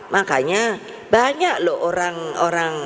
makanya banyak loh orang orang